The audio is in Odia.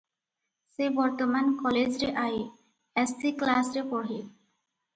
ସେ ବର୍ତ୍ତମାନ କଲେଜରେ ଆଏ, ଏସ୍. ସି. କ୍ଲାସରେ ପଢ଼େ ।